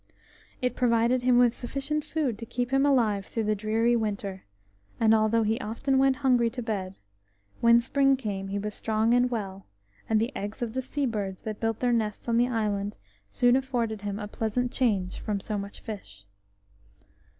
It provided him with sufficient food to keep him alive through the dreary winter, and although he often went hungry to bed, when spring came he was strong and well, and the eggs of the sea birds that built their nests on the island soon afforded him a pleasant change from so much fish.